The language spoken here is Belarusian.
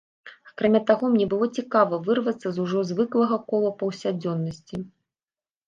Акрамя таго, мне было цікава вырвацца з ужо звыклага кола паўсядзённасці.